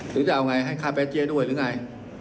คือจะเอาอย่างไรให้ค่าแพทเจด้วยหรือไง